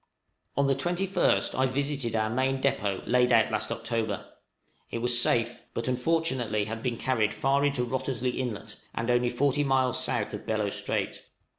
On the 21st I visited our main depôt laid out last October; it was safe, but unfortunately had been carried far into Wrottesley Inlet, and only 40 miles south of Bellot Strait.